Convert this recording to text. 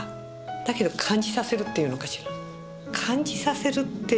だけど感じさせるっていうのかしら。